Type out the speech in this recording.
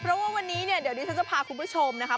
เพราะว่าวันนี้เนี่ยเดี๋ยวนี้ฉันจะพาคุณผู้ชมนะคะ